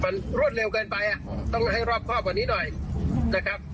มันรวดเร็วเกินไปอ่ะต้องให้รอบครอบกว่านี้หน่อยนะครับ